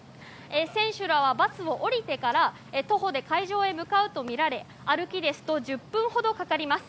選手らはバスを降りてから徒歩で会場へ向かうとみられ、歩きですと１０分ほどかかります。